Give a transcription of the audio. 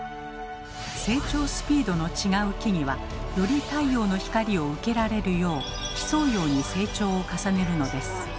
成長スピードの違う木々はより太陽の光を受けられるよう競うように成長を重ねるのです。